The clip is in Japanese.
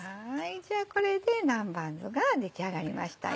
じゃあこれで南蛮酢が出来上がりましたよ。